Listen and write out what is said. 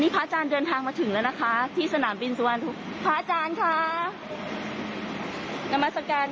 สวัสดีครับครับ